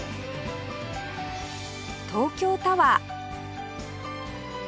東京タワー